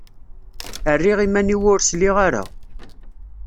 Rriɣ iman-iw ur sliɣ ara.